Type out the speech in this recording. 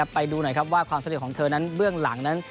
ไปดูหน่อยครับว่าความสำเร็จของเธอนั้นเบื้องหลังนั้น